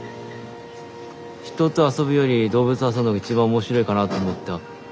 人と遊ぶより動物と遊んだ方が一番面白いかなと思った。